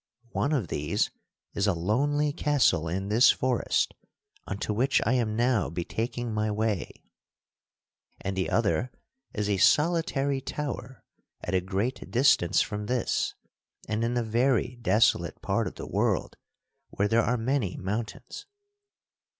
One of these is a lonely castle in this forest (unto which I am now betaking my way), and the other is a solitary tower at a great distance from this, and in a very desolate part of the world where there are many mountains.